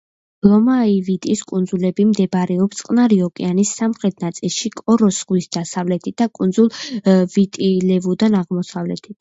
ლომაივიტის კუნძულები მდებარეობს წყნარი ოკეანის სამხრეთ ნაწილში, კოროს ზღვის დასავლეთით და კუნძულ ვიტი-ლევუდან აღმოსავლეთით.